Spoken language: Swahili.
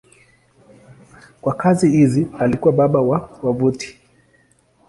Kwa kazi hizi alikuwa baba wa wavuti.